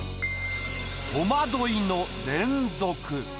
戸惑いの連続。